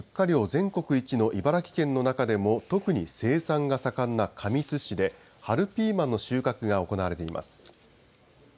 全国一の茨城県の中でも特に生産が盛んな神栖市で、春ピーマンの収穫が行われています。